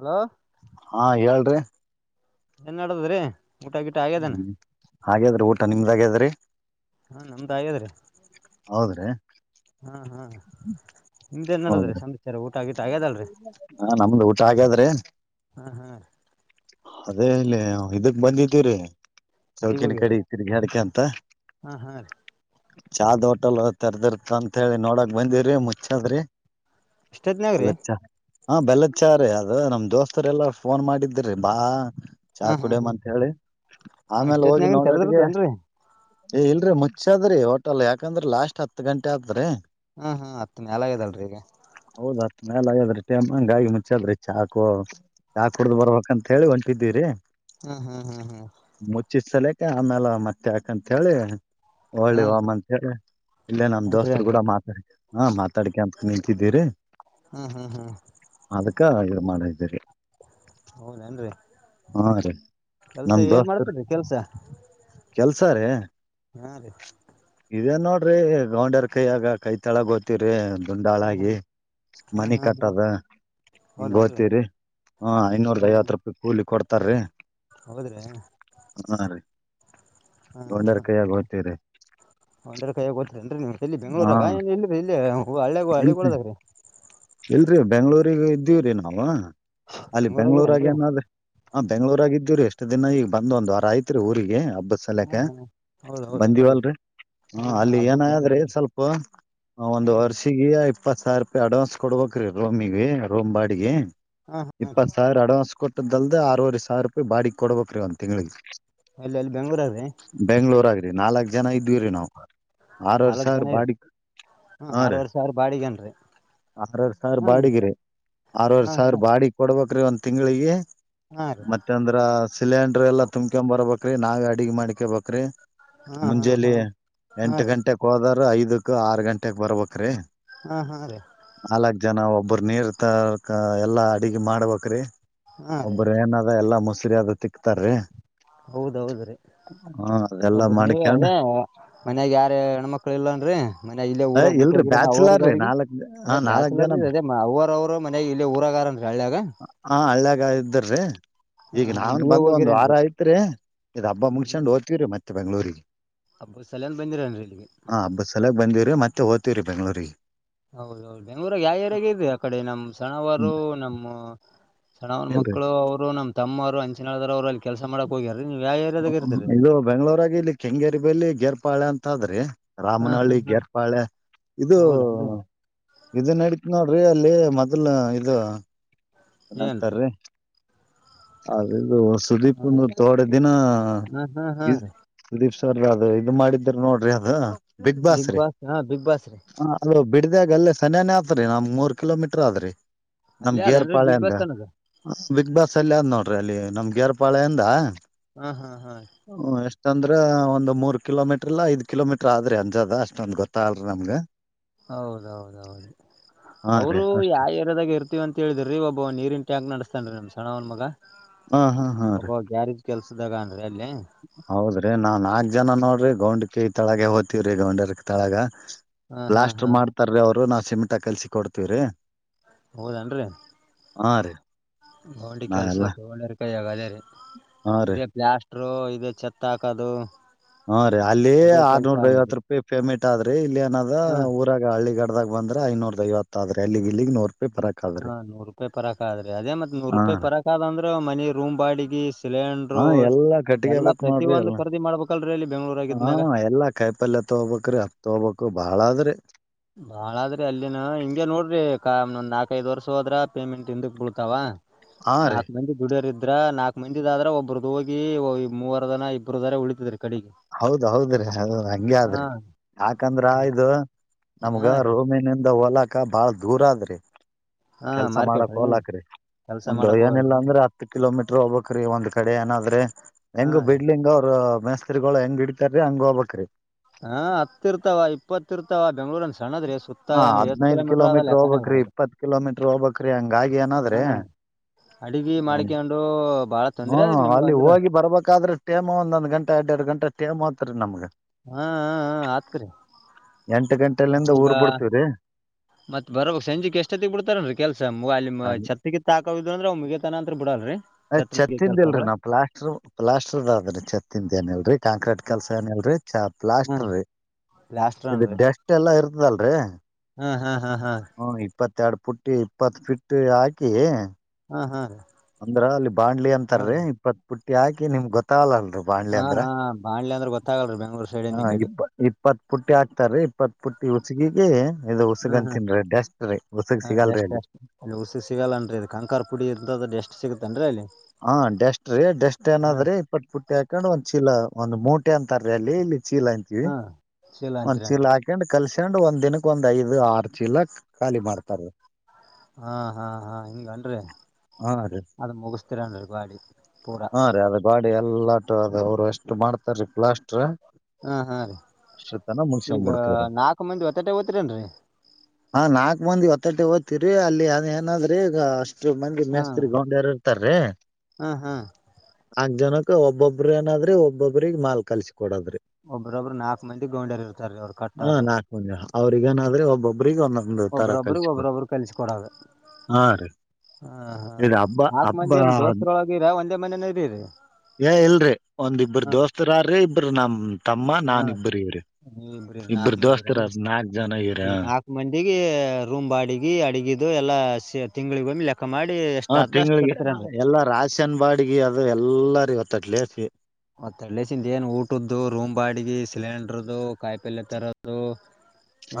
Hello ಹಾ ಹೇಳ್ರಿ [inaudible] ಏನ್ಡುದದ್ರೀ ಊಟ ಗಿಟ ಆಗ್ಯದೇನ ಹಾಗೇದ್ರಿ ಊಟ ನಿಮ್ದಾಗ್ಯದ್ರಿ ಹಾ ನಮ್ದಾಯದ್ರೆ ಹೌದ್ರಾ. ಹ್ಮ ಹ್ಮ. ನಿಮ್ದೆನ್ ನಡದ್ರಿ ಹೌದ್ರಿ ಸಮಾಚಾರ ಊಟ ಅಗೆತ ಆಗ್ಯದಲ್ರಿ. ಹ ನಮ್ದ್ ಊಟ ಹಾಗಾದ್ರೆ ಹಾ ಹಾ. ಅದೇ ಇಲ್ಲಿ ಇದಕ್ ಬಂದಿದೀವ್ರೀ ಎಲ್ಲಿಗ್ ಚೌಕಟ್ ಹೋಗ್ಯರಿ ಕಡಿ ತಿರಿಗಾಡ್ಕೊಂತ. ಹಾ ಹಾ ರೀ. ಚಾದ್ ಹೋಟೆಲ್ ತೆರ್ದಿರ್ತ ಅಂತ ಹೇಳಿ ನೋಡಕ್ ಬಂದಿವ್ರಿ ಮುಚ್ಚದ್ರಿ. ಇಷ್ಟೊತ್ನಾಗ್ರಿ ಅಲ್ಲ ಚಾ ಹ ಬೆಲ್ಲದ ಚಾ ರಿ. ಅ ನಮ್ ದೋಸ್ತರೆ ಎಲ್ಲಾರ ಫೋನ್ ಮಾಡಿದ್ದ್ರೀ ಬಾ. ಚಾ ಹಾ ಹಾ ಕುಡಮ್ ಹಾ ಅಂತ ಹೇಳಿ ಹಾ ಆಮೇಲೆ ಹೋಗಿ ಇಷ್ಟೊತ್ನಾಗನ್ ನೋಡೋಟ್ಗೆ. ತೆರದಿರ್ತನ್ರಿ ಏ ಇಲ್ರರಿ ಮುಚ್ಚಾದ್ರಿ ಹೋಟೆಲ್ ಯಾಕಂದ್ರ ಲಾಸ್ಟ್ ಹತ್ ಗಂಟೆ ಆತ್ರಿ. ಹಾ ಹಾ ಹತ್ [inaudible] ಮೇಲ ಆಗ್ಯದ್ರಿ ಟೈಮಂಗ ಗಾಯಿ ಮುಚ್ಚದ್ರಿ ಚಾಕು ಚಾಕ್ ಕುಡ್ದ್ ಬರ್ಬಂಕ ಅಂತ ಹೇಳಿ ಹೊಂಟಿದೀವ್ರರಿ. ಹ್ಮ್ ಹ್ಮ್ ಹ್ಮ್ ಹ್ಮ್. ಚಿತ್ ಸಲಿಕ್ಕೆ ಆಮೇಲೆ ಮತ್ತೆ ಯಾಕಂತ ಹೇಳಿ. ಹಾ ಹಳ್ಳಿ ರೀ ಹೋಗಮ್ಮ ಅಂತ ಹೇಳಿ ಇಲ್ಲೇ ನಮ ಹೊಂಟ್ರಿ ದೋಸ್ತರು ಕೂಡ ಏನ್ರಿ ಮಾತಾಡ್ ಹಾ ಮಾತಾಡ್ಿಕ ಅಂತ. ನಿಂತಿದ್ದೀರಿ ಹಾ ಹಾ ಹಾ ಅದಕ್ಕ ಇದ ಮಾಡಿದ್ದೀರಿ. ಹೌದನ್ರಿ. ಹಾ ರೀ ನಮ ದೋಸ್ತರು ಮಾಡ್ತೀರಿ ಕೆಲ್ಸ ಕೆಲ್ಸ ರೇ. ಹಾ ರೀ. ಇದೇ ನೋಡ್ರಿ ಗಂಡ್ಯರ್ ಕೈ ಯಾಗ ಕೈ ತಳಗ ಓತ್ತೀವ್ರಿ. ಹಾ ಹಾ ಗಂಡಾಳಾಗಿ ಹಾ ಮನಿ ಹಾ ಹಾ ಕಟ್ಟದ. ಹೀಂಗ ಹೌದನ್ರಿ ಹೊತಿವರಿ ಹ್ಮ ಐನೂರದ ಐವತ್ತು ರೂಪಾಯಿ ಕೂಲಿ ಕೊಡ್ತಾರೀ. ಹೌದ್ರಿ ಹಾ ರೀ ಹಾ ಗೊಂಡ್ಯರ ಹಾ ಕೈಯಗ ಹೊತೀವ್ರಿ. ಒಂದ್ರ ಕೈಯಗ ಹೋಗ್ತಿರೇನ್ರಿ ನೀವ ಎಲ್ಲಿ ಬೆಂಗಗಳೂರಾಗ ಏನ್ ಇ ಇಲ್ಲಿ ಹಳ್ಳಿಗೊ ಇಲ್ರಿ ಹಳ್ಳಿಗೋಳದಾಗ್ರಿ. ಇಲ್ರಿ ಬೆಂಗಳೂರಿಗ ಇದ್ದೀವ್ರರಿ ನಾವ. ಅಲ್ಲಿ ಬೆಂಗ್ಳೂರಾಗ ಬೆಂಗ್ಳೂರಾಗಿರೇನ್ರಿ ಏನಾದ್ರೆ ಹಾ ಬೆಂಗ್ಳೂರಾಗಿದ್ದೀರಿ ಅಷ್ಟ. ಇಷ್ಟ ದಿನ ಈಗ ಬಂದ ಒಂದ್ ವಾರ ಆಯ್ತ್ರಿ ಊರಿಗೆ ಹಬ್ಬದ ಹಾ ಸಾಲ್ಯಕ ಹಾ ಹೌದ ಹೌದನ್ರಿ ಬಂದಿವವಲ್ರರಿ. ಹ ಹಾ ಹಾ ಅಲ್ಲಿ ಹಬ್ಬಕ್ ಬಂದ್ರ ಏನಾದ್ರೆ ಸ್ವಲ್ಪ ಒಂದ ಹಾ ವರ್ಷಗಿ. [unintelligible] ಇಪ್ಪತ್ ಸಾವಿರ ರೂಪಾಯಿ ಅಡ್ವಾನ್ಸ್ ಕೊಡ್ಬೇಕ ರೀ ರೋಮಿಗೆ ರೋಮ ಬಾಡಿಗೆ ಹಾ ಹಾ ರೀ ಇಪ್ಪತ್ ಸಾವಿರ ಅಡ್ವಾನ್ಸ್ ಕೊಟ್ಟ. ಕೋಟುದ ಅಲದ ಆರುವರಿ ಸಾವಿರ ರೂಪಾಯಿ ಬಾಡಗ ಕೊಡ್ಬೇಕ್ ರೀ ಒಂದ ತಿಂಳಿಗೆ. ಎಲ್ಲ ಎಲ್ಲಿ ಬೆಂಗಳೂರಗ ರಿ. ರಿ ನಾಲ್ಕ್ ಜನ ಇದ್ವಿ ರೀ ನಾವವು. ಆರ ಆರ ನಾಲ್ಕ್ ಸಾವಿರ ಜನ ಇರಿ ಬಾಡಿಗ ಹಾ ಹ ರೀ. ಆರವರೆ ಸಾವಿರ ಬಾಡಿಗೇನ್ರಿ ಆಕರರ ಸಾವಿರ ಹಾ ಬಾಡಿಗೆ ರೀ ಆರುವರಿ ಹಾ ಸಾವಿರ ಹಾ ಬಾಡಿಗೆ ಕೊಡ್ಬೇಕ್ರೀ ಒಂದ್ ತಿಂಗಳಿಗಿ. ಹಾ ರೀ ಮತ್ತ ಅಂದ್ರ ಸಿಲಿಂಡ್ರ ಎಲ್ಲಾ ತುಂಬ್ಕೊ್ ಬರ್ಬೇಕ್ರಿ ನಾವೇ ಅಡ್ಗೆ ಮಾಡ್ಕೋ ಬೇಕ್ರಿ. ಹಾ ಹಾ ಮುಂಜೇಲಿ ಹಾ ಹಾ ಎಂಟ ರೀ ಗಂಟೆಕ್ ಹೋದ್ರ ಐದಕ್ ಆರ್ ಗಂಟೆಕ್ ಬರಬೇಕ್ರಿ. ಹಾ ಹಾ ರೀ. ನಾಲ್ಕ್ ಜನ ಒಬ್ಬ್ರ ನೀರ್ ತರಕ್ ಎಲ್ಲಾ ಅಡಗಿ ಮಾಡ್ಬೇಕ್ರಿ. ಹಾ ರೀ ಒಬ್ಬರ ಏನಾದ ಎಲ್ಲಾ ಮೊಸರಿ ಅದು ತಿಕ್ತಾರ್ರಿ. ಹೌದೌದ ರೀ. ಹ ಅದೆಲ್ಲಾ ಒಬ್ಬ ನೀವ ಮಾಡ್ಕೊಂಡ್ ಅದೇ ಮನ್ಯಾಗ ಯಾರ ಹೆಣ್ಮಕ್ಳ ಇಲ್ಲನ್ರರಿ ಮನ್ಯಾಗ ಇಲ್ಲೇ ಊರಾಗ ಬಿಟ್ಟ ಹೋಗಿರ. ಅವ್ರಗ ಬ್ಯಾಚುಲರ್ ರೀ ಅವ್ರಿಗೆ ನಾಲ್ಕ್. ಹಾ ಅದೇ ನಾಲ್ಕ್ ಬ್ಯಾಸಲರ್ ಜನ ಅದೇ ಅವ್ರ ಅವರು ಮನ್ಯಾಗ ಇಲ್ಲೇ ಊರಾಗಾರನ್ರಿ ಹಳ್ಳ್ಯಾಗ ಹ ಹಳ್ಳಿಯಾಗ ಇದ್ದರಿ. ರಿ ಹಾ ಈಗ ಹಾ ನಾವನ್ ನೀವೇ ಬಂದ ಒಂದ್ ವಾರ ಹೋಗಿರೇನ್ರಿ ಐತ್ರಿ ಇ ಹಬ್ಬ ಮುಗಸೊಂಡ ಹೊತಿವರಿ ಮತ್ತ. ಮತ್ತ ಬೆಂಗಳೂರಿಗಿ. ಹಬ್ಬದ ಸಲಾಯ್ನ ಬಂದಿರ ಏನ್ರಿ ಇಲ್ಲಿಗೆ. ಇವತ್ತು ಹೋತಿವರಿ ಬೆಂಗಳೂರಿಗಿ. ಹೌದೌದು ಬೆಂಗಳೂರು ರಾಗ ಯಾವ ಏರಿಯಾಗ ಇದೆ ಆ ಕಡೆ ನಮ್ಮ್ ಸಣ್ಣವರು ಹ್ಮ್ ನಮ್ಮ. ಸಣ್ಣ್ನ ಇಲ್ರಿ ಮಕ್ಳು ಅವರು ನಮ್ಮ ತಮ್ಮ ಅವರು ಅಂಚಿನದಾರ ಅವರು ಅಲ್ಲಿ ಕೆಲಸ ಮಾಡಕ್ ಹೋಗ್ಯಾರ ನೀವು ಯಾವ್ ಏರಿ. ಇದು ಬೆಂಗ್ಳೂರಾಗಿ ಇಲ್ಲಿ ಕೆಂಗೇರಿಬಲ್ಲಿ ಗೇರ್ಪಾಳ್ಯ ಅಂತದ್ರಿ ಹಾ ಹಾ ರಾಮನಹಳ್ಳಿ ಹಾ ಗೆರ್ಪಾಳೆ ಇದು ಹೌದನ್ರಿ ಇ ನಡತ ನೋ ಏನ್ರೀ [inaudible] ಅದದು ಸುದೀಪ್ನು ತೋಡೆ ದಿನ ಹಾ ಹಾ ಹಾ ರೀ ಸುದೀಪ್ ಸರಿ ಅದು ಇದು ಮಾಡಿದ್ರ ನೋಡ್ರಿ ಅದ ಬಿಗ್ ಬಾಸ್ ರೀ ಹಾ ಬಿಗ್ ಬಾಸ್ ರೀ ಬಿಡ್ದಾಗ ಅಲ್ಲೇ ಸನಯಾನನೆ ಆತ್ರಿ ನಮ್ ಮೂರ್ ಕಿಲೋಮೀಟರ್ ಆದ್ರರಿ ಅಲ್ಲೇ ಅದ ಪಾಳೆ ಅಂದ ಬಿಗ್ ಬಾಸ್ ಅಲ್ಲಿ ಆದದ್ ನೋಡ್ರಿ ಅಲ್ಲಿ ನಮ್ ಗೇರ್ಪಾಳ್ಯ ಇಂದ ಅಂದ ಹಾ ಹಾ ಹಾ ಒಂದು್ ಮೂರು ಕಿಲೋಮೀಟರ್ ಇಲ್ಲ ಐದ ಕಿಲೋಮೀಟರ್ ಆದ್ರೆ ಅಂಜದ ಅಷ್ಟೊಂದ ಗೊತ್ತ ಅಲ್ರಿ ನಮ್ಗೆ ಹೌದೌದೌದು ಹಾ ರೀ ಅವರು ಅಷ್ಟೇ ಯಾವ ಏರಿಯಾದಾಗ ಇರ್ತೀವ ಅಂತ ಹೇಳಿದ ರೀ ಒಬ್ಬ ನೀರಿ ಟ್ಯಾಕ್ ನಿಸಸ್ತಾನ ರೀ ನಿಮ್ಮ ಸಣ್ಣ ಅವನ ಮಗ ಹಾ ಹಾ ಹಾ ರೀ ಒಬ್ಬ ಗ್ಯಾರೇಜ್ ಕೆಲ್ಸದಾಗ ಅನ್ರಿ ಅಲ್ಲಿ ಹೌದ್ರಿ ನಾನ್ ನಾಕ್ ಜನ ನೋಡ್ರಿ ಗೌಂಡಕಿ ತಳಗ ಹೋತೀವ್ರಿ ಗೌಂಡರ್ ತಾಳಗ ಹಾ ಹಾ ಹಾ ಬ್ಲಾಸ್ಟರ್ ಮಾಡ್ತಾರೀ ಅವರು ನಾವವು ಸಿಮೆಂಟ ಕೆಲ್ಸಿ ಕೊಡ್ತೀವ್ರಿ ಹೌದೇನ್ರಿ ಹಾ ರೀ ಹೌಂಡಿ ನಾ ಎಲ್ಲ ಕೆಲ್ಸಕ್ಕೆ ಹೋೊಂಡರ್ಕಾಯಗ ಅದೇ ರೀ ಹಾ ರೀ ಇದೇ ಪ್ಸ್ [inaudible] ಚತ್ತ ಹಾಕದು ಹ ರೀ ಅಲ್ಲಿ ಇದೇ ಕೆಲ್ಸ ಆರ್ನೂರ ದಐವತ್ ಅವನ್ರಿ ರೂಪಾಯಿ ಪೇಮೆಂಟ್ ಆದ್ರಿ ಇಲ್ಲಿ ಏನದ ಹಾ ಊರಾಗ ಹಳ್ಳಿಗ ಉರಗ ಬಂದ್ರೆ ಐನೂರ ವತ್ತ ಆದೆ ಅಲ್ಲಿಗ್ ಇಲ್ಲಿಗ್ ನೂ ಹಾ ನೂರ್ ರೂಪಾಯಿ ಪರಕ್ ಆದ್ರೆ ಅದೇ ಮತ್ತತ್ ನೂರ್ ಹಾ ರೂಪಾಯಿ ರೀ ಪರಕ ಅ ಆದ ಅಂದ್ರೆ ಮನಿ ರೂಮ್ ಬಾಡಿಗೆ ಸಿಲಿಂಡರು ಹಾ ಎಲ್ಲಾ ಎಲ್ಲಾ ಕಟ್ಗೆಬೇಕ್ ಪ್ರತತಿ ನೋಡ್ರಿ ಒಂದು ಎಲ್ಲ ಖರೀದಿ ಮಾಡ್ಬೇಕಲ್ರೀ ಇಲ್ಲಿ ಹಾ ಬೆಂಗ್ಳೂರಗಿದ್ಮ್ಯಾಗ ಎಲ್ಲಾ ಕಾಯಿ ಪಲ್ಯ ತೊಗೋಬೇಕ್ರೀ ಅತ್ ತಗೋಬಬೇಕು ಬಾಳಾದ್ರಿ ಬಾಳಾದ್ರಿ ಅಲ್ಲಿನ ಹಿಂಗೆ ನೋಡ್ರಿ ಕ್ ನಾಲ್ಕ ಐದು ವರ್ಷ ಹೋದ್ರ ಪೇಮೆಂಟ್ ಹಿಂದಕ್ ಬೀಳ್ತಾವ ಹಾ ರೀ ನಾಕು ಮಂದಿ ದುಡಿಯೋರ ಇದ್ರ ನಾಲ್ಕ್ ಮಂದಿದ ಆದ್ರ ಒಬ್ಬರುದ ಹೋಗಿ ಮೂವರ ಜನ ಇಬ್ಬರು ದರ ಉಳಿತಿದ್ರೀ ಹೌದ ಹೌದ್ರಿ ಹೌದು ಹಂಗಗೆ ಹಾ ಆದ್ರಿ ಯಾಕಂದ್ರ ಇದು ನಮ್ಗ ಹಾ ರೀ ರೋಮಿನಿಂದ ಹೋಲಾಕ ಬಾಳ ದೂರ ಆದ್ರಿ ಹಾ ಕೆಲ್ಸ ಮಾರ್ಕೆಟ್ ಮಾಡಕ್ ರೀ ಹೋಲಾಕ್ರಿ ಕೆಲ್ಸ ಒಂದು ಮಾಡಕ್ ಏನಿಲ್ಲ ಹೋಗದ್ರಿ ಅಂದ್ರೆ ಹತ್ ಕಿಲೋಮೀಟ್ರ ಹೋಗಬಕ್ ಒಂದ್ ಕಡೆ ಏನಾದ್ರೆ ಹಾ ಹೆಂಗ ರೀ ಬಿಡ್ಲಿ ಹಂಗ ಅವ್ರ ಮಸ್ತ್ರಿಗಳು ಹೆಂಗ ಹಿಡತಾರರಿ ಹಂಗ್ ಹೋಗಬಕರೀ ಹಾ ಹತ್ತ ಇರ್ತಾವ ಇಪ್ಪತ್ತ ಇರ್ತಾವ ಬೆಂಗ್ಳೂರ್ ಹಾ ಹದ್ನೈದ ಕಿಲೋಮೀಟ್ರ ಲೆಕ್ಕಾನೇ ಹೋಗಬಕ್ರೀ ಇಲ್ರಿ ಇಪ್ಪತ್ ಕಿಲೋಮೀಟ್ರ ಹೋಗ್ಕ್ ಹಂಗಾಗಿ ಏನಾದ್ರಿ ಹಾ ಅಡಿಗಿ ಹ್ಮ ಮಾಡ್ಕ್ಯಂಡು ಬಾಳ ಹ್ಮ ತೊಂದ್ರೆ ಆದ್ರಿ ನಿಮ್ಗ ಅಲ್ಲಿ ಅಂದ್ರ ಹೋಗಿ ಬರ್ಬೇಕಾದ್ರೆ ಟೈಮ ಒಂದೊಂದ್ ಗಂಟೆ ಅಡ್ ಎರಡು ಗಂಟೆ ಟೇಮ್ತ್ರಿ ನಮ್ಗೆ ಹಾ ಹಾ ಹಾ ಆತ್ರಿ ಎಂಟು ಮತ್ ಗಂಟೆೆಯಲ್ಲಿದ ಈಗ ಊರ್ ಬಿಡ್ತವ್ರೀ ಮತ್ ಬರಬಕ್ ಸಂಜೆ ಎಷ್ಟೊತ್ತಿಗೆ ಬಿಡ್ತಾರನ್ರರಿ ಕೆಲ್ಸ ಅಲ್ಲಿ ಛತ್ತಗಿತ್ ತಾಕೋ್ ಅ್ರ ಅವ ಮುಗತನ ಅಂತ ಬಿಡಲ್ರರಿ [unintelligible] ಇಲ್ರೀ ನಾವ್ ಪ್ಲಾಸ್ಟರ್ ಪ್ಲಾಟರ್ದ ಅದ್ರೀ ತ್ತಿಂದ ಏನ ಇಲ್ರರಿ ಕಾಂಕ್ರೀಟ್ ಕೆಲ್ಸ ಏನ ಇಲ್ರರಿ ಹ್ಮ್ ಪ್ಲಾಸ್ಟರ್ ರೀ ಲಾಸ್ಟ್ ಇದು ಡಸ್ಟ್ ಎಲ್ಲಾ ಇರ್ತದಲ್ರರಿ ಹ್ಮ್ ಹ್ಮ್ ಹಾ ಹಾ ಇಪ್ಪತ್ತೆರಡು ಪಫುಟ್ಟ ಇಪ್ಪತ್ತು ಫಿಟ್ ಹಾಕಿ ಹಾ ಹಾ ರೀ ಅಂದ್ರ ಅಲ್ಲಿ ಬಾಂಡ್ಲಿ ಹಾ ಅಂತಾರೀ ಇಪ್ಪತ್ ಪುಟ್ಟಿ ಹಾಕಿ ನಿಮ್ ಗೊತ್ತಾಗಲ್ಲಲ್ರಿ ಬಾಣಲೆ ಹಾ ಅಂದ ಹಾ ಬಾಣ್ಲೆ ಅಂದ್ರ ಗೊತ್ತಾಗಲ್ರಿ ಬೆಂಗ್ಳೂರ್ ಸೈಡಿಂದ್ ಈ ಕಡಿ ಇ ಪುಟ್ಟಿ ಹಾಕ್ತಾರೆ ಇಪ್ಪತ್ ಪುಟ್ಟಿ ಹುಸಿಗೆಗೆ ಇದು ಉಸಗ್ ಹ್ಮ್ ಹ್ಮ್ ಅಂತೀನ್ ರರಿ ಡಸ್ಟ್ ರೀ ಉಸಗ್ ಹಾ ಸಿಗಲ್ರಿ ಡೆಸ್ಟ್ ಅಲ್ಲಿ ಡೆಸ್ಟ್ ಅಲ್ಲಿ ಉಸುಕ್ ತನ್ರಿ ಅಲ್ಲಿ ಹಾ ಡೆಸ್ಟ್ ರೀ ಡೆಸ್ಟ್ ಹಾ ಏನಾದ್ರೆ ಇಪ್ಪತ್ ಪುಟ್ಟಿ ಹಾಕೊಂಡ್ ಒಂದ್ ಚೀಲ ಒಂದ್ ಮೂಟೆ ಅಂತಾರೀ ಅಲ್ಲಿ, ಇಲ್ಲಿ ಚೀಲ ಅಂತೀವಿ ಹಾ ಚೀಲ ಒಂದ್ ಚೀಲ ಅಂತೀರೇನ್ರಿ ಹಾಕೊಂಡ್ ಕಲ್ಸ ಂಡ್ ಒಂದ್ ದಿನಕ್ಕೆ ಒಂದ್ ಐದು ಆರ್ಚೀಲ ಖಾಲಿ ಮಾಡ್ತಾರ್ರೀ ಹಾ ಹಾ ಹಾ ಹಿಂಗನ್ರಿ ಹಾ ರೀ ಅದ್ ಮುಗಿಸ್ ತಿರಂದ್ರ ಗ್ವಾಡಿ ಪೂರ ಹಾ ರೀ ಅದ ಗಾಡಿ ಎಲ್ಲಾಟ ಅದ ಅವ್ರು ಎಷ್ಟು ಮಾಡ್ತಾರೀ ಪ್ಲಾಸ್ಟರ್ ಹಾ ಹಾ ಈಗ ಮುಗಸಕೊಂಡ್ ಬಿಡ್ತೇವ್ರೀ ನಾಕು ಮಂದಿ ಒತ್ತಟ್ಟೆ ಹೋಗ್ತಿರೇನ್ರಿ ಹಾ ನಾಲ್ಕ್ ಮಂದಿ ಒತ್ತಟ್ಟಿ ಓದ್ತಿವ್ರಿ ಅಲ್ಲಿ ಅದ್ ಏನಾದ್ರಿ ಈಗ ಅಷ್ಟ್ ಮಂದಿ ಹಾ ಮೇಸ್ತರಿ ಗೌಂಡ್ಯರು ಹಾ ಹಾ ಜನಕ ಒಬೊಬ್ಬ್ರ ಏನಾದ್ರೆ ಒಬ್ಬೊಬ್ರಿಗೆ ಮಾಲ್ ಕಲ್ಸ್ ಒಬ್ಬ್ರೊಬ್ರು ನಾಕ್ ಮಂದಿ ಗೌಂಡ್ಯರು ಇರ್ತಾರೀ ಅವ್ರ ಕಟ್ಟರ ಅವ್ರಿಗೇನಾದ್ರೀ ಒಬ್ಬೊಬ್ಬ್ರೀಗ ಒಂದೊಂದು ತರ ಒಬ್ರೊಬ್ರಿಗೆ ಕಲ್ಸ್ಕೊದ್ ಒಬ್ರೊಬ್ರು ಕಲಿಸಿ ಕೊಡೋದು ಹಾ ರೀ ಹಾ ಹಾ ಇದ್ ಹಬ್ಬ ನಾಕ್ ಹಬ್ಬ ಮಂದಿ ಏನ್ ದೋಸ್ತ್ರದೀರ ಒಂದೇ ಮನ್ಯಾನ ಇರಿರಿ ಏ ಇಲ್ರೀ ಒಂದಿಬ್ಬರು ದೋಸ್ತರಾರಿ ಇಬ್ಬರ ನಮ್ ತಮ್ಮ ಹಾ ನಾನ್ ಇಬ್ಬರು ಇವ್ರಿ ನೀವ್ ಇಬ್ರಿರಿ ಇಬ್ರು ನಾಲ್ಕು ಮಂದಿ ದೋಸ್ತರಾರ್ ನಾಲ್ಕ್ ಜನ ಇರ ಡಿಗಿ ರೂಮ್ ಬಾಡಿಗಿ ಅಡಗಿದು ಎಲ್ಲಾ ಸೇ ತಿಂಗಳಿಗೊಮ್ಮೆ ಲೆ ಹಾ ತಿಂಗಳಿಗೆ ಎಲ್ಲ ರಾಶನ್ ಬಾಡಿಗೆ ಅದು ಎಲ್ಲಾರ ಇವತ್ತಟ್ಲೇಸ್ಗೆ ಮತ್ತೆಡ್ಲೇಸಿಂದ ಏನ್ ಊಟದ್ದು ರೂಮ್ ಬಾಡಿಗೆ ಸಿಲಿಂಡ್ರದು ಕಾಯಿಪಲ್ಲೆ ತರದು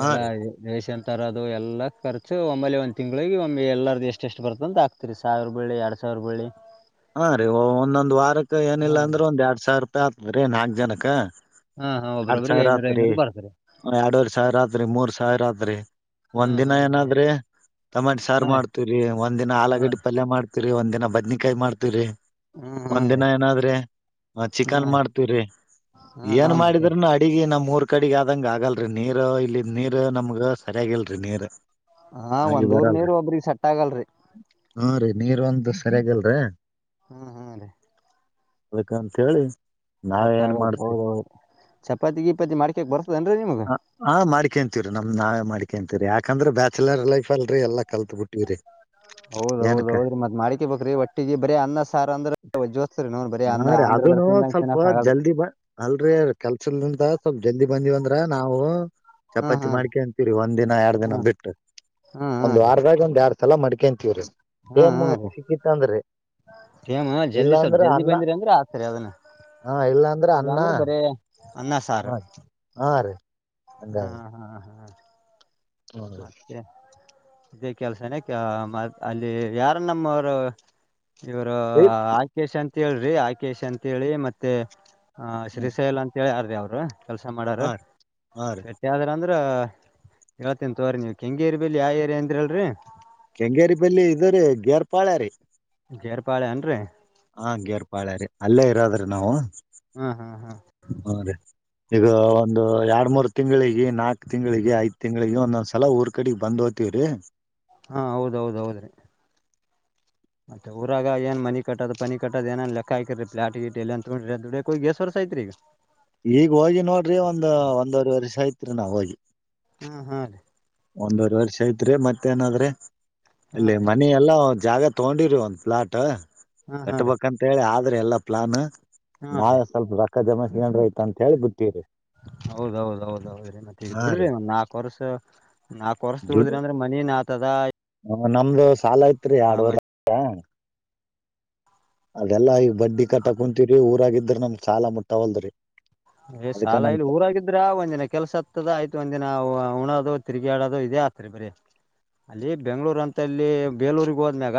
ಹಾ ರೀ ರೇಶನ್ ತರೋದು ಎಲ್ಲ ಖರ್ಚು ಒಮ್ಮೆಲೇ ತಿಂಗಳಿಗೆ ಒಮ್ ಎಲ್ಲರ್ದ ಎಷ್ಟ ಎಷ್ಟು ಬರ್ತ ಅಂತ ಆಕ್ತೀರಿ ಸಾವಿರ ಬೀಳ್ಳಿ ಎರಡ್ ಸಾ ವ್ರ ಬೀಳ್ಳೀ ಹಾ ರೀ ಒಂದೊಂದ್ ವಾರಕ್ ಹಾ ಏನಿಲ್ಲ ಅಂದ್ರೂ ಒಂದ್ ಎರಡ್ ಸಾವಿರ ರೂಪಾಯಿ ಆಗ್ತದ ರೀ ನಾಕ್ ಜನಕ್ಕ ಹಾ ಹಾ ಒಬ್ಬ್ರೊಬ್ರರಿಗೆ ಐನೂರು ಐನೂರು ಬರ್ತದ ಎರಡೂವರಿ ಸಾವಿರಾತ್ರಿ ಮೂರ್ ಸಾವಿರಾತ್ರಿ ಒಂದ್ ಹ್ಮ್ ದಿನ ಹ್ಮ್ ಏನಾದ್ರಿ ಟಮಾಟಿ ಸಾರ್ ಹ್ಮ್ ಮಾಡ್ತಿವ್ರೀ ಒಂದಿನ ಆಲಗಡ್ಡಿ ಹ್ಮ್ ಪಲ್ಯ ಮಾಡ್ತೀವ್ರಿ ಒಂದಿನ ಬದ್ನಿಕಾಯಿ ಮಾಡ್ತಿವ್ರೀ ಹ್ಮ್ ಹ್ಮ್ ಒಂದ್ ಹ್ಮ್ ದಿನ ರೀ ಏನಾದ್ರಿ ಅ ಚಿಕನ್ ಹ್ಮ್ ಮಾಡ್ತೀವ್ರಿ ಹ್ಮ್ ಏನ್ ಹ್ಮ್ ಮತ್ತೆ ಮಾಡಿದ್ರು ನು ಅಡಿಗೆ ನಮ್ಮೂರ್ ಕಡಿಗೆ ಆದಂಗ ಆಗಲ್ರೀ ನೀರು ಇಲ್ಲಿದ್ ನೀರು ನಮ್ಗ ಸರಿಯಾಗಿಲ್ರಿ ನೀರ ಹಾ ಒಂದ್ ಊರ್ ನೀರ್ ಒಬ್ರಗ್ ಸೆಟ್ ಆಗಲ್ರಿ ಹೂಂ ರೀ ನೀರ್ ಒಂದು ಸರಿಯಾಗಿಲ್ರಿ ಹ್ಮ್ ಹಾ ರೀ ಅದಕಂತ ಹೇಳಿ ನಾಳೆ ಸೆಟ್ ಏನ್ ಆಗಲ್ ಮಾಡ್ತೀ ಹೌದು ಚಪಾತಿ ಗಿಪಾತಿ ಮಾಡ್ಕಕ್ ಬರ್ತದನ್ರಿ ನಿಮ್ಗ ಹಾ ಹಾ ಮಾಡ್ಕೆಂತೀವ್ರೀ ನಮ್ದ ನಾವೇ ಮಾಡ್ ಕೆಂತೀವ್ರಿ ಯಾಕಂದ್ರ ಬ್ಯಾಚುಲರ್ ಲೈಫ ಅಲ್ರಿ ಎಲ್ಲ ಕಲ್ತ್ ಬಿಟ್ಟಿವ್ರೀ ಹೌದೌದ ಹೌದ್ರಿ ಮತ್ ಮಾಡ್ಕೆ ಬೇಕ್ರೀ ಹೊಟ್ಟಿಗೆ ಬರೀ ಅನ್ನ ಸಾರ ಅಂದ್ರ ಜೋಸ್ತ್ರಿ ನೋಡ್ ಬರೀ ಅಂದ ಹಾ ರೀ ಆಂಧ್ರದರ್ ಅದನು ತಿಂದಂಗ ಸ್ವಲ್ಪ ತಿನ್ನಕ್ ಆಗಲ್ರಿ ಜಲ್ದಿ ಬ ಅಲ್ರಿ ಕೆಲ್ಸಲ್ದಿಂದ ಸ್ವಲ್ಪ ಜಲ್ದಿ ಬಂದಿವಂದ್ರ ನಾವು ಹ್ಮ್ ಚಪಾತಿ ಹ್ಮ್ ಮಾಡ್ಕೇಂತೀರಿ ಒಂದ್ ದಿನ ಎರಡ್ ದಿನ ಹ್ಮ್ ಬಿಟ್ಟು ಹ್ಮ್ ಒಂದ್ ಹ್ಮ್ ರೀ ವಾರದಾಗ ಒಂದ್ ಯಾರ್ಡ್ ಸಲ ಮಾಡ್ಕೇಂತೀವ್ರಿ ಟೇಮ್ ಸಿಕ್ಕಿತ್ತ ಅಂದ್ರೀ ಟೇಮ ಜಲ್ದಿ ಸ್ವಲ್ಪ ಜಲ್ದಿ ಬಂದ್ರಿ ಅಂದ್ರೆ ಆಗ್ತದ್ರೀ ಅದನ್ನ ಹಾ ಇಲ್ಲಾ ಅಂದ್ರ ಇಲ್ಲ ಅನ್ನ ಅಂದ್ರೆ ಬರೇ ಅನ್ನ ಸಾರ ಹಾ ಹಾ ರೀ ಹ್ಮ ಹಂಗಾರಿ ಹಾ ಹಾ ಹ್ಮ್ ರೀ ಮತ್ತೆ ಇದೇ ಕೆಲ್ಸನೆ ಮ ಅಲ್ಲಿ ಯಾರ ನಮ್ಮವರು ಇವರು ಇಲ್ ಆಕೇಶ್ ಅಂತ ಹೇಳ್ರಿ ಆಕೇಶ್ ಅಂತ ಹೇಳಿ ಮತ್ತೆ ಹ ಹ್ಞೂ ರೀ ಶ್ರೀಶೈಲ ಅಂತ ಹೇಳ್ಯಾರೀ ಅವರು ಕೆಲ್ಸ ಮಾಡಾರ ಹಾ ರೀ ಹಾ ರೀ ಬೆಟ್ಟಿ ಆದ್ರ ಅಂದ್ರ್ ಹೇಳ್ತನ್ ತೋರಿ ನೀವ ಕೆಂಗರಿ ಬಲ್ಲೀ ಯಾವ ಏರಿಯಾ ಅಂದ್ರ ಅಲ್ರೀ ಕೆಂಗೇರಿ ಬಲ್ಲಿ ಇದು ರೀ ಗೇರ್ ಪಾಳ್ಯ ರೀ ಗೇರ್ಪಾಳ್ಯ ಏನ್ರಿ ಹಾ ಗೇರ್ ಪಾಳ್ಯ ರೀ ಅಲ್ಲೇ ಇರೋದ್ರಿ ನಾವು ಹಾ ಹಾ ಹಾ ಹೂ ರೀ ಈಗ ಒಂದು ಎರಡ್ ಮೂರ್ ತಿಂಗ್ಳಿಗೆ ನಾಕ್ ತಿಂಗಳಿಗೆ ಐದ್ ತಿಂಗಳಿಗೆ ಒಂದೊಂದ್ ಸಲ ಊರ್ ಕಡೆ ಬಂದ್ ಹೋತಿವಿ ಹಾ ಹೌದೌದ ಹೌದ್ರಿ ಮತ್ತೆಊಾಗ ಏ ಮನಿ ಕಟ್ಟದ ಪನಿ ಕಟ್ಟದ ಏನ್ ಲೆಕ್ಕ ಆಕಿರಿ ಪ್ಲಾಟ್ ಗಿ ಎ ಅಂತ ದುಡ ಹೋಗಸವರ್ ಸ ತಕ ಈಗ ಹೋಗಿ ನೋಡ್ರಿ ಒಂದ ಒಂದವರೆ ವರ್ಷ ಆಯ್ತ್ರಿ ನಾವ ಹೋಗಿ ಹ್ಮ ಹಾ ರೀ ಒಂದೂವರೆ ವರ್ಷ ಐತ್ರಿ ಮತ್ತೇಏನಾದ್ರೆ ಹಾ ಇಲ್ಲಿ ರೀ ಮನ ಎಲ್ಲ ಜಾಗ ತಗೊಂಡಿರಿ ಒಂದ್ ಪ್ಲಾಟ್ ಹಾ ಹಾ ರೀ ಕಟ್ಬೇಕಂತ ಹೇಳಿ ಆದ್ರೆ ಎಲ್ಲಾ ಪ್ಲಾನ್ ಹಾ ರೀ ನಾವ ಸ್ವಲ್ಪ ರೊಕ್ಕ ಜಮ್ರ ಆಯತ ಅಂತ ಹೇಳಿ ಬತ್ತೀರಿ ಹೌದೌದೌದೌದ್ರಿ ಮತ್ತೆ ಈಗ ಹಾ ದುಡ್ರಿ ರೀ ಒಂದ್ ನಾಲ್ಕು ವರ್ಷ ನಾ ಕೊರಸ ದುಡ್ಡು ದುಡಿದ್ರಿ ಅಂದ್ರೆ ಮನನ್ ಆತದ ನಮ್ದು ಸಾಲ ಐತ್ರಿ ಆಡ್ವರ ಮ ಅದೆಲ್ಲಾ ಈ ಬಡ್ಡಿ ಕಟ್ಟ ಕುೂಂತೀವ್ರರಿ ಊರಾಗಿದ್ರೆ ನಮ ಸಾಲ ಮುಟ್ಟವಲ್ದ್ರಿ ಏ್ ಅದಕ್ಕ ಸಾಲ ನಮ್ ಇಲ್ಲಿ ಊರಾಗಿದ್ರ ಒಂದ್ ದಿನ ಕೆಲ್ಸ ಆತ್ತದ ಆಯ್ತು ಒಂದ್ ದಿನ ಉಣ ಅ ತಿರುಗಿ ಆಡದು ಇದೇ ಆತ್ರಿ ಬರೀ ಅಲ್ಲಿ ಬೆಂಗ್ಳೂರ್ ಅಂತ ಇಲ್ಲಿ ಬೇಲೂಗ್ ಹೋದ್ಮ್ಯಾಗ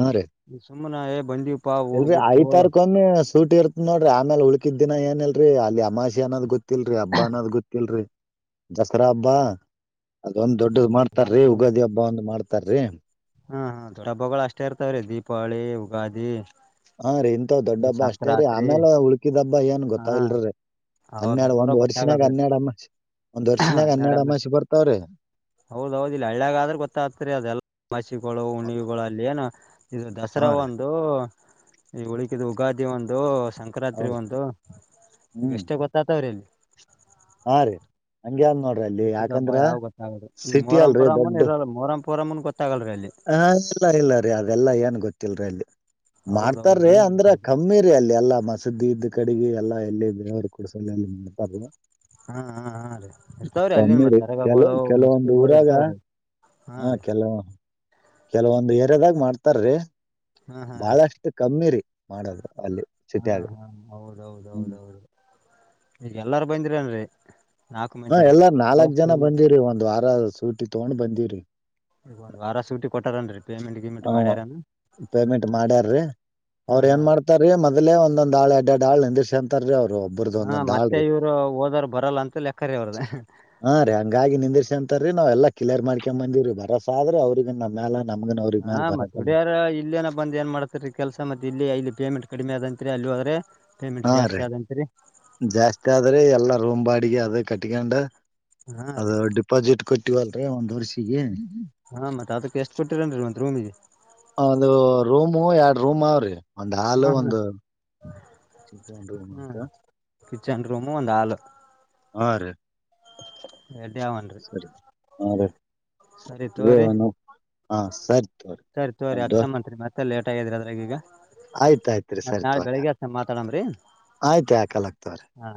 ಹಾ ರೀ ಸುಮ್ಮನಾ ಏ ಬಂದೀಪಾ ಊರ್ ಇಲ್ರಿ ಬಿಟ್ಟು ಐತಾರಕೊಮ್ಮೆ ಸೂಟಿ ಇರ್ತ್ ನೋಡರಿ ಆಮೇಲೆ ಉಳುಕಿದ್ದ ದಿನ ಏನಲ್ರರಿ ಅಲ್ಲಿ ಅಮಾಷಿ ಅನ್ನೋ ಗೊತ್ತಲ್ರರಿ ಹಬ್ಬ ಅನ್ನೋದ್ ಗೊತ್ತಲ್ರರಿ ದಸರಾ ಹಬ್ಬಾ ಅದೊಂದ್ ದೊಡ್ಡದ ಮಾಡ್ತಾರ್ರೀ ಮಾತಿ ಉುಗಾದಿ ಹಬ್ಬ ಒಂದ ಮಾಡ್ತಾರ್ರಿ ಹ್ಮ ಹ ದೊಡ್ಡ ಹಬ್ಬಗಳು ಅಷ್ಟೇ ಇರ್ತವ್ರೀ ದೀಪಾವಳಿ ಯುಗಾದಿ ಹಾ ರೀ ಇಂತಥ ದೊಡ್ಡ ಹಬ್ಬ ಅಷ್ಟೇ ರರಿ ಆಮೇಲೆ ಉಳ್ಕಿದ್ ಹಬ್ಬ ಏನ್ ಗೊತ್ತ ಹಾ ಇಲ್ರರಿ ಅವ ಹನ್ನೆರಡು ಒಂದ್ ಬೆಂಗ್ಳೂರಾಗ ವರ್ಷಿನಾಗ ಗೊತ್ತಾಗಲ್ರಿ ಹನ್ನೆರಡ್ ಅಮ್ಮಾಿ ಒಂದ್ ವರ್ಷಿನಾಗ ಹನ್ನೆರಡ್ ಅಮ್ಮಾಷಿ ಬರ್ತಾವ್ರೀ ಹೌದೌದಿಲ್ಲಲ್ಲ ಹಳ್ಳ್ಯಾಗಾದ್ರೆ ಗೊತ್ತಾಗ್ತರಿ ಅದೆಲ್ಲ ಮಸಿಗಳು ಉಣಿವುಗಳು ಅಲ್ಲಿ ಏನ ಇದು ದಸರಾ ಹಾ ರೀ ಒಂದು ಈ ಉಳಿಕಿದ ಉುಗಾದಿ ಒಂದು ಸಂಕ್ರಾಂತರಿ ಹೌದ್ ಒಂದು ಇ ಹ್ಮ್ ಎಷ್ಟೇ ಗೊತ್ತಾತವ್ರ ಎಲ್ಲಿ ಹಾ ರೀ ಹಂಗಗೆ ಅನ್ ನೋಡ್ರಿ ಅಲ್ಲಿ ಉಳಕಿದ ಹಬ್ಬ ಯಾಕಂದ್ರ ಯಾವ್ ಗೊತ್ತಾಗದು ಈ ಸಿಟಿ ಮೊರಂ ಅಲ್ರಿ ಪರಮನ್ ದೊಡ್ಡ ಇರಲ್ಲ ಮೊರಂ ಪರಮನ್ ಗೊತ್ತಾಗಲ್ರಿ ಅಲ್ಲಿ ಹಾ ಇಲ್ಲ ಇಲ್ಲ ರೀ ಅದೆಲ್ಲಾ ಏನ್ ಗೊತ್ತಿಲ್ರಿ ಅಲ್ಲಿ ಹೌದೌದು ಮಾಡ್ತಾರೀ ಏನ್ ಅಂದ್ರ ಗೊತ್ತಾಗದು ಕಮ್ಮಿ ರರಿ ಅಲ್ಲಿ ಎಲ್ಲಾ ಮಸೂ್ದಿ ಇದ್ದ್ ಕಡೆ ಅ ಎಲ್ಲ ಎಲ್ಲಿ ದೇವರು ಕಡಸಲ್ಲಿ ಮಾಡತಾರು ಹಾ ಹಾ ಹಾ ರೀ ಇರ್ತಾವ್ರಿ ಅಲ್ಲಿನ್ ಕಮ್ಮಿ ಮತ್ ರೀ ಕೆಲವು ದರಗಗಳು ಕೆಲವೊಂದು ಮಸ್ತಿಗಳು ಊರಾಗ ಇರ್ತಾವ್ರಿ ಹಾ ಕೆಲವ ಕೆಲವೊಂದ್ ಏರಯದಾಗ ಮಾಡ್ತಾರ್ರಿ ಹಾ ಹಾ ರೀ ಬಹಳಷ್ಟು ಕಮ್ಮಿ ರರಿ ಮಾಡೋದು ಅಲ್ಲಿ ಹಾ ಸಿಟ್ಯಾಗ ಹಾ ಹ್ಮ್ ಹೌದೌದೌದೌದು ಈಗ ಎಲ್ಲಾರ ಬಂದಿರನ್ರಿ ನಾಲ್ಕು ಹಾ ಮಂದಿನು ಎಲ್ಲಾರ್ ನಾಲ್ಕ್ ಜನ ದೋಸ್ತರು ಬಂದಿರಿ ಒಂದ್ ವಾರ ಸೂಟಿ ತಗೊಂಡ್ ಬಂದಿರಿ ವಾರ ಸುಟ್ಟಿ ಕೊಟ್ಟಾರನ್ರಿ ಪೇಮೆಂಟ್ ಗಿಮೆಂಟ್ ಹ ಮಾಡ್ಯಾರನ್ ಪೇಮೆಂಟ್ ಮಾಡ್ಯಾರೀ ಹಾ ಅವ್ರ ಹಾ ಏನ್ ಮಾಡ್ತಾರೀ ಮದ ಅದೇ ಒಂದೊಂದು ಆಳ ಎಡ್ಡ ಆಳ ಶಂತರ್ ಹಾ ಮತ್ತೆ ಇವ್ರು ಓದರು ಬರಲ್ಲ ಅಂತ ಲೆಕ್ಕರ ಅವ್ರದ ಹಾ ರೀ ಹಂಗಾಗಿ ನಿಂದಿರ್ಸಿ ಅಂತಾರ ರೀ ನಾವ್ ಎಲ್ಲ ಕ್ಲಿಯರ್ ಮಾಡ್ಕೊಂಡ್ ಬಂದೀರೀ ಬರಸಾದ್ರೆ ಅವ್ರಗಗ್ ನಮ್ಮ್ಯೆಲ್ಲ ನಮಗ ಹಾ ಮತ್ತ ಬಿಡ್ಯಾರ ಇಲ್ಲೇನ ಬಂದ ಏನ್ ಮಾಡ್ತಾರೀ ಕೆಲ್ಸ ಮತ್ತೆ ಇಲ್ಲಿ ಇಲ್ಲಿ ಪೇಮೆಂಟ್ ಕಡಿಮೆ ಆದಂತರಿ ಅಲ್ಲಿೋದ್ರೆ ಹಾ ರೀ ಜಾಸ್ತಿ ಆದ್ರೆ ಎಲ್ಲ ರೋಮ ಬಾಡಿಗೆ ಅದೇ ಕಟ್ಕೊಂಡ ಹಾ ಅದ ರೀ ಡಿಪಾಸಿಟ್ ಕೊಟ್ಟಿವಲ್ರೀ ಒಂದ್ ವರ್ಷಿಗೆ ಹಾ ಮತ್ತೆ ಅದಕ್ಕೆ ಎಷ್ಟ್ ಕೊಟ್ಟಿರೇನ್ರಿ ಒಂತ ರೂಮಿಗೆ ಒಂದು ರೂಮು ಎರಡ್ ರೂಮ್ ಅವ್ರಿ ಒಂದು್ ಹಾಲ್ ಹಾ ಹಾ ಒಂದು ಚಂತಂದ ಅಂತ ಚೆಂಡ ರೂಮ ಒಂದು ಆಳ ಹಾ ರ ಹಖ ಸರಿ ಹಾ ರೀ ಸರಿ ತೋರಿ ಹಾ ಸರಿ ತೋರಿ ಸರಿ ತೋರಿ ನಮ್ದು ಅಕ್ಷಮಂತ್ರಿ ಮತ್ತೆ ಲೇಟ್ ಆಗಿದ್ರರಿ ಅದ್ರಾಗ ಈಗ ಆಯ್ತ ಆಯ್ತ್ರಿ ಮತ್ತ ಸರಿ ನಾಳೆ ತೋರಿ ಬೆಳಿಗ್ಗೆ ಹಷ್ಟ ಮಾತಾಡಮ್ರಿ ಆಯ್ತ ಯಾಕಲಾಗ್ತವ್ರಿ ಹಾ